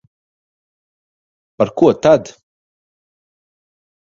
Par ko tad?